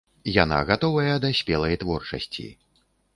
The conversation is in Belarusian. Яна гатовая да спелай творчасці.